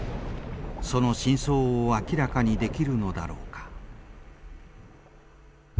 その真相を明らかにできるのだろうか。